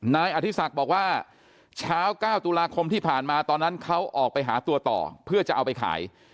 นายอธิศักดิ์บอกว่าเช้า๙ตุลาคมที่ผ่านมาตอนนั้นเขาออกไปหาตัวต่อเพื่อจะเอาไปขาย